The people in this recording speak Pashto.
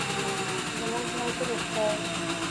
زموږ ژوند تریخ دی